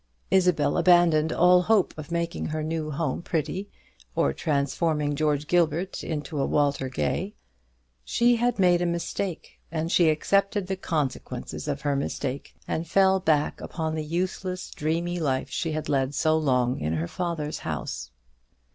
Isabel abandoned all hope of making her new home pretty, or transforming George Gilbert into a Walter Gay. She had made a mistake, and she accepted the consequences of her mistake; and fell back upon the useless dreamy life she had led so long in her father's house.